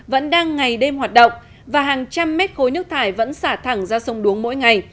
vẫn đang ngày đêm hoạt động và hàng trăm mét khối nước thải vẫn xả thẳng ra sông đuống mỗi ngày